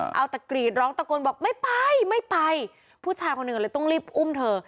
เอาแต่กรีดร้องตะโกนบอกไม่ไปไม่ไปผู้ชายคนหนึ่งก็เลยต้องรีบอุ้มเธอ